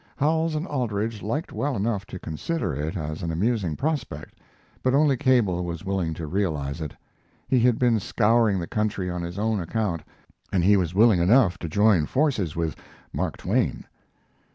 Howells and Aldrich liked well enough to consider it as an amusing prospect, but only Cable was willing to realize it. He had been scouring the country on his own account, and he was willing enough to join forces with Mark Twain.